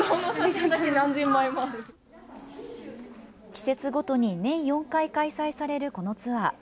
季節ごとに年４回開催されるこのツアー。